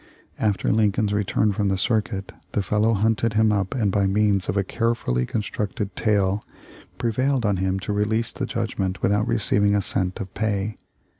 After Lincoln's return from the circuit the fellow hunted him up and by means of a carefully constructed tale prevailed on him to release the judgment without receiving a cent of pay.